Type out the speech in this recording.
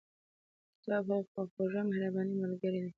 کتاب هغه خواخوږي او مهربانه ملګري دي.